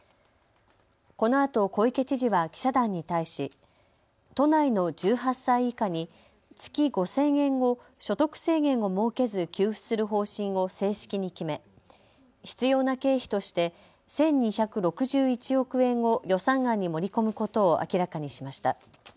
このあと小池知事は記者団に対し都内の１８歳以下に月５０００円を所得制限を設けず給付する方針を正式に決め必要な経費として１２６１億円を予算案に盛り込むことを明らかにしました。